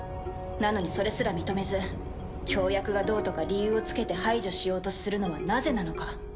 なのにそれすら認めず協約がどうとか理由をつけて排除しようとするのはなぜなのか。